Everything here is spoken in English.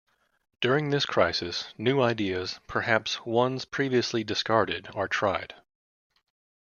During this crisis, new ideas, perhaps ones previously discarded, are tried.